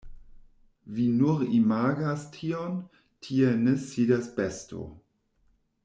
Vi nur imagas tion, tie ne sidas besto.